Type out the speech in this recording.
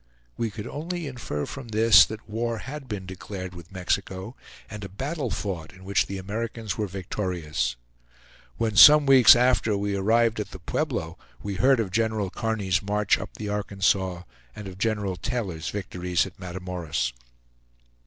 We could only infer from this that war had been declared with Mexico, and a battle fought in which the Americans were victorious. When, some weeks after, we arrived at the Pueblo, we heard of General Kearny's march up the Arkansas and of General Taylor's victories at Matamoras.